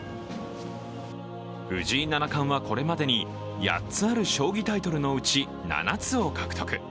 藤井七冠はこれまでに８つある将棋タイトルのうち７つを獲得。